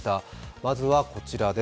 まずはこちらです。